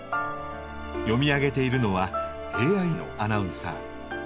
読み上げているのはＡＩのアナウンサー。